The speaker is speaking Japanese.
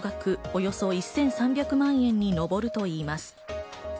およそ１３００万円に上るといいます。